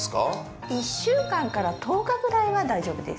１週間から１０日くらいは大丈夫です。